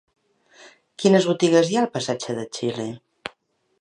Quines botigues hi ha al passatge de Xile?